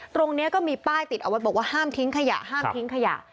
ตรงนี้ก็มีป้ายก็มีติดเอาแปลว่าห้ามทิ้งขยะ